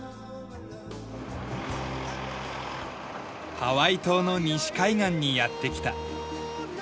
ハワイ島の西海岸にやって来た。